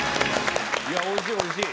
おいしいおいしい！